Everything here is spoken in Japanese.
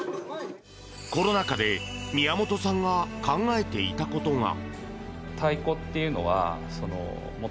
コロナ禍で宮本さんが考えていたことが。